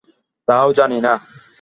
তাও জানি না।